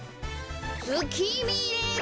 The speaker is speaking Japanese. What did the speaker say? つきみれば。